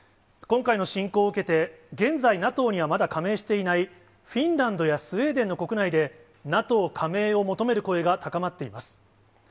今回の侵攻を受けて、現在、ＮＡＴＯにはまだ加盟していないフィンランドやスウェーデンの国内で、ＮＡＴＯ加盟を求める声が高まっています。